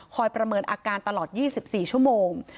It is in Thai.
ประเมินอาการตลอด๒๔ชั่วโมง